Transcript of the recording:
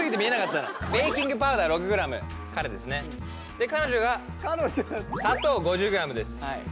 で彼女が砂糖５０ｇです。